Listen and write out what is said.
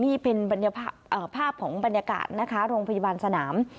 นี่เป็นภาพของบรรยากาศนะคะโรงพยาบาลสนาม